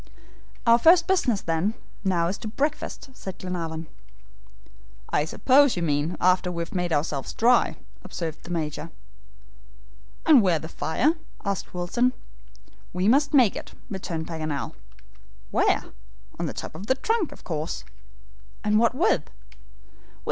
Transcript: "Our first business, then, now is to breakfast," said Glenarvan. "I suppose you mean after we have made ourselves dry," observed the Major. "And where's the fire?" asked Wilson. "We must make it," returned Paganel. "Where?" "On the top of the trunk, of course." "And what with?"